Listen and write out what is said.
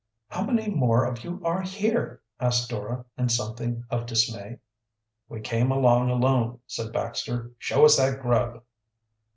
"How many more of you are here?" asked Dora, in something of dismay. "We came along alone," said Baxter. "Show us that grub."